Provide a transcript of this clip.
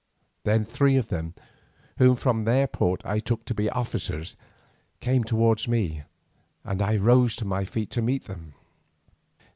Then three of them, whom from their port I took to be officers, came towards me and I rose to my feet to meet them.